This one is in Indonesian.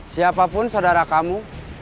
siapapun saudara kamu